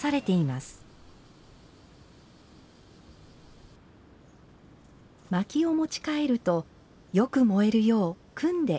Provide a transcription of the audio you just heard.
まきを持ち帰るとよく燃えるよう、組んで